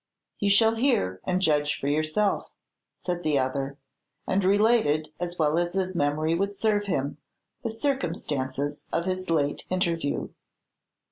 "You shall hear, and judge for yourself," said the other; and related, as well as his memory would serve him, the circumstances of his late interview.